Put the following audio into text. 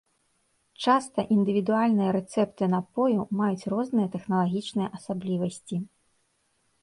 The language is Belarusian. Часта індывідуальныя рэцэпты напою маюць розныя тэхналагічныя асаблівасці.